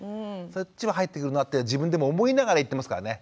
そっちも入ってくるようになって自分でも思いながら言ってますからね。